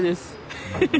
フフフフ！